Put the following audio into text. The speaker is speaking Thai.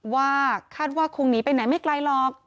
ว่าคาดว่าคงหนีไปไหนไม่ไกลหรอก